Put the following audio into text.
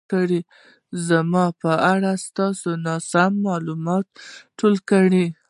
زما په اړه تاسو ناسم مالومات ټول کړي